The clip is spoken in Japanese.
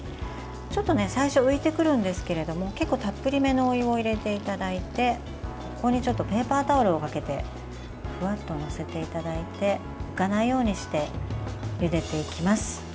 ちょっと最初浮いてくるんですけれども結構たっぷりめのお湯を入れていただいてここにペーパータオルをかけてふわっと載せていただいて浮かないようにしてゆでていきます。